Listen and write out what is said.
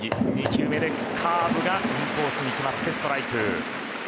２球目でカーブがインコースに決まってストライク。